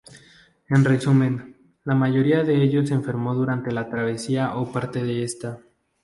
En resumen, la mayoría de ellos enfermó durante la travesía o parte de esta.